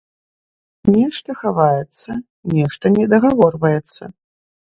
Нешта хаваецца, нешта недагаворваецца.